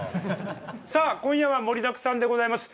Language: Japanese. さあ今夜は盛りだくさんでごさいます。